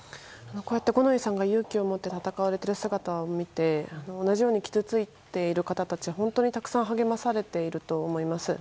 こうやって五ノ井さんが勇気を持って戦われている姿を見て同じように傷ついている方たちは本当にたくさん励まされていると思います。